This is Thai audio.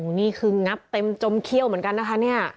นี่คืองับเต็มจมเขี้ยวเหมือนกันนะคะเนี่ย